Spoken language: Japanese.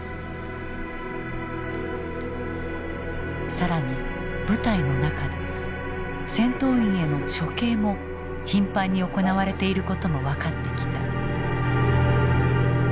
更に部隊の中で戦闘員への処刑も頻繁に行われていることも分かってきた。